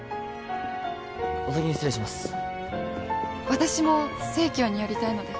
私も生協に寄りたいので。